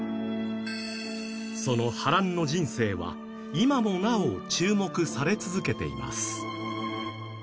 その波乱の人生は今もなお注目され続けています。